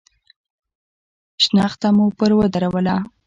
شنخته مو پر ودروله.